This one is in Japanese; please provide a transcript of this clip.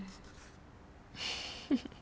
フフフフ。